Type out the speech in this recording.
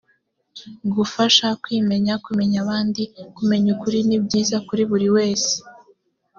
gufasha, kwimenya , kumenya abandi , kumenya ukuri ni byiza kuri buri wese.